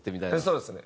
そうですね。